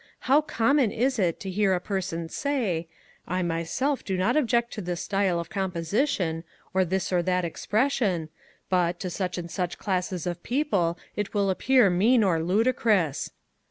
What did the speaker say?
How common is it to hear a person say, I myself do not object to this style of composition, or this or that expression, but, to such and such classes of people it will appear mean or ludicrous!